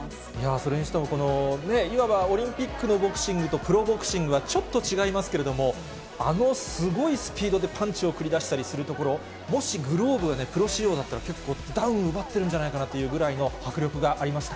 それにしても、いわばオリンピックのボクシングと、プロボクシングはちょっと違いますけれども、あのすごいスピードでパンチを繰り出したりするところ、もしグローブがプロ仕様だったら、結構ダウン奪ってるんじゃないかなというぐらいの迫力がありました。